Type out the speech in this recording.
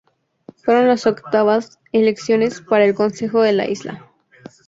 Fueron las octavas elecciones para el Consejo de la Isla.